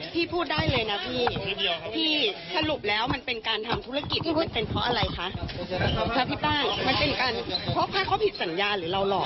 พี่ป้างพี่ป้างพี่ป้างพี่ป้าง